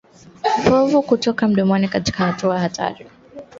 Povu kutoka mdomoni katika hatua hatari